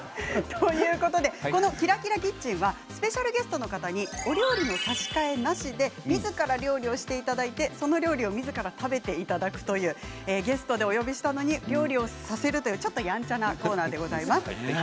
ということでこの「ＫｉｒａＫｉｒａキッチン」はスペシャルゲストの方にお料理の差し替えなしで自ら料理をしていただいてその料理を自ら食べていただくというゲストでお呼びしたのに料理をさせるというちょっとやんちゃなコーナーでございます。